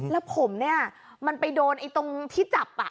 แล้วผมเนี่ยมันไปโดนตรงที่จับ